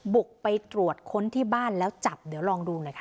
บุกไปตรวจค้นที่บ้านแล้วจับเดี๋ยวลองดูหน่อยค่ะ